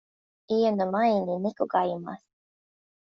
家の前に猫がいます。